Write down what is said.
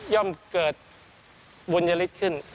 ่อมเกิดบุญยฤทธิ์ขึ้น